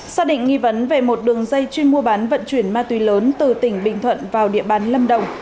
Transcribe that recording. xác định nghi vấn về một đường dây chuyên mua bán vận chuyển ma túy lớn từ tỉnh bình thuận vào địa bàn lâm đồng